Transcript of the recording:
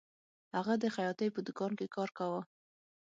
هغه د خیاطۍ په دکان کې کار کاوه